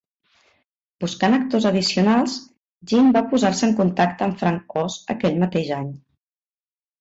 Buscant actors addicionals, Jim va posar-se en contacte amb Frank Oz aquell mateix any.